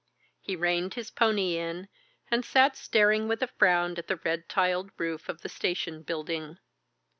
He reined his pony in, and sat staring with a frown at the red tiled roof of the station building.